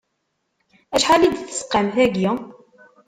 Acḥal i d-tesqam tagi?